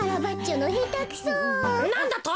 なんだと！